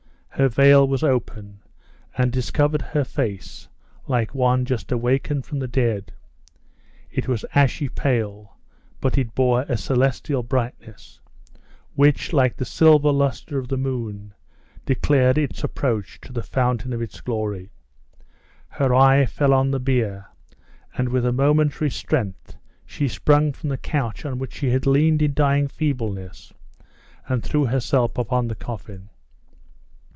Her veil was open, and discovered her face like one just awakened from the dead; it was ashy pale, but it bore a celestial brightness, which, like the silver luster of the moon, declared its approach to the fountain of its glory. Her eye fell on the bier, and, with a momentary strength, she sprung from the couch on which she had leaned in dying feebleness, and threw herself upon the coffin.